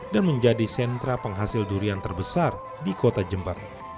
dan menjadi sentra penghasil durian terbesar di kota jember